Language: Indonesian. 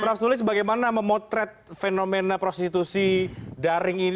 prof tulis bagaimana memotret fenomena prostitusi daring ini